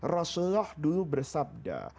rasulullah dulu bersabda